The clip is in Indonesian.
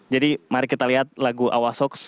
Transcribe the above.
jadi mari kita lihat lagu awas hoax